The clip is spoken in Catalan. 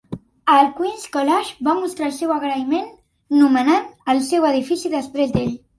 El Queens College va mostrar el seu agraïment nomenant el seu edifici després d'ell.